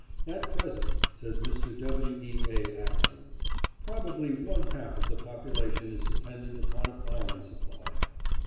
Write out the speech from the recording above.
"At present," says Mr. W. E. A. Axon, "probably one half of the population is dependent upon a foreign supply.